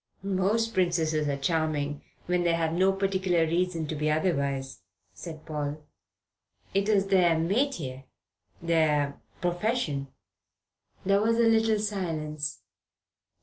"Most princesses are charming when they've no particular reason to be otherwise," said Paul. "It is their metier their profession." There was a little silence.